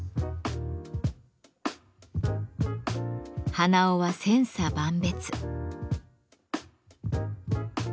鼻緒は千差万別。